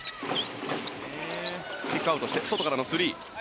キックアウトして外からのスリー。